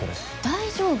大丈夫？